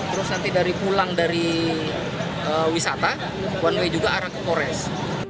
terus nanti dari pulang dari wisata one way juga arah ke polres